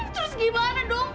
terus gimana dong